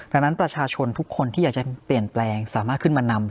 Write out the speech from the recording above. ดังนั้นประชาชนทุกคนที่อยากจะเปลี่ยนแปลงสามารถขึ้นมานำ